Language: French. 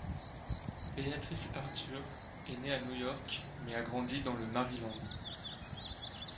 Beatrice Arthur est née à New York mais a grandi dans le Maryland.